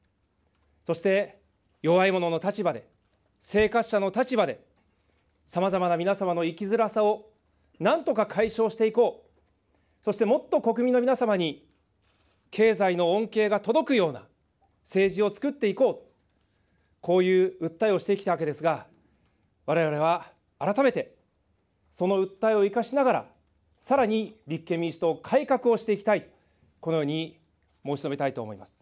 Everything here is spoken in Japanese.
そして、弱い者の立場で、生活者の立場で、さまざまな皆様の生きづらさをなんとか解消していこう、そしてもっと国民の皆様に経済の恩恵が届くような政治をつくっていこう、こういう訴えをしてきたわけですが、われわれは改めて、その訴えを生かしながら、さらに立憲民主党、改革をしていきたい、このように申し述べたいと思います。